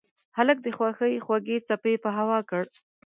هلک د خوښۍ خوږې څپې په هوا کړ.